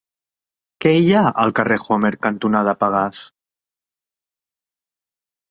Què hi ha al carrer Homer cantonada Pegàs?